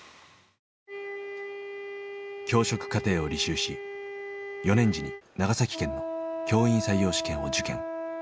教職課程を履修し４年次に長崎県の教員採用試験を受験。